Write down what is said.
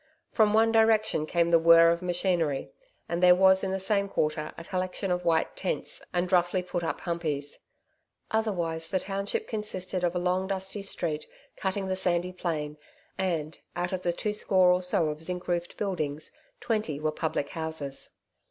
From one direction came the whirr of machinery, and there was in the same quarter a collection of white tents and roughly put up humpeys. Otherwise, the township consisted of a long dusty street cutting the sandy plain and, out of the two score or so of zinc roofed buildings, twenty were public houses.